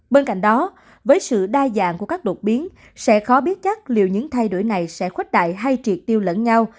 bên cạnh đó với sự đa dạng của các đột biến sẽ khó biết chắc liệu những thay đổi này sẽ khuếch đại hay triệt tiêu lẫn nhau